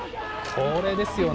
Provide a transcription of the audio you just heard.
これですよね。